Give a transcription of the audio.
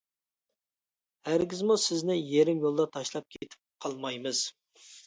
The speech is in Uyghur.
ھەرگىزمۇ سىزنى يېرىم يولدا تاشلاپ كېتىپ قالمايمىز.